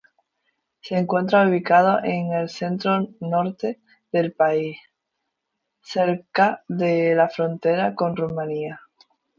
Se encuentra ubicado en el centro-norte del país, cerca de la frontera con Rumania.